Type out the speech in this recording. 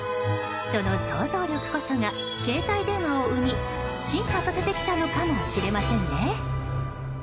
その想像力こそが携帯電話を生み進化させてきたのかもしれませんね。